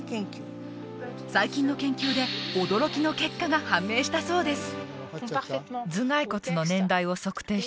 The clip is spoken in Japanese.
最近の研究で驚きの結果が判明したそうです